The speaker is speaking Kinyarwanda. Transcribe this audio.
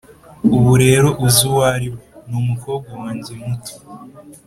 ubu rero uzi uwo ari we, ni umukobwa wanjye muto.